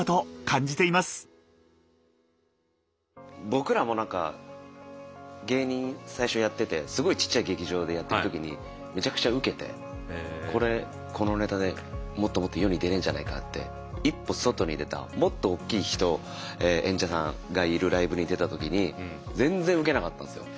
僕らも何か芸人最初やっててすごいちっちゃい劇場でやってる時にめちゃくちゃウケてこれこのネタでもっともっと世に出れんじゃないかって一歩外に出たもっとおっきい人演者さんがいるライブに出た時に全然ウケなかったんですよ。